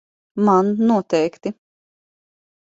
Man noteikti.